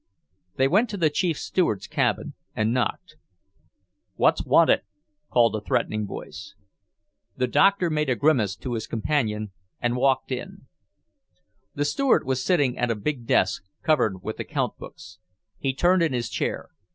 They went to the Chief Steward's cabin and knocked. "What's wanted?" called a threatening voice. The doctor made a grimace to his companion and walked in. The Steward was sitting at a big desk, covered with account books. He turned in his chair.